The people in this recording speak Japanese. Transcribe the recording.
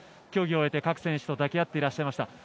競技を終えて各選手と抱き合っていらっしゃいました。